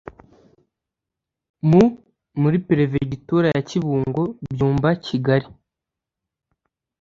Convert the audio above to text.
mu muri perefegitura ya Kibungo Byumba Kigari